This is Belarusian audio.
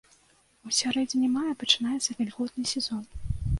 У сярэдзіне мая пачынаецца вільготны сезон.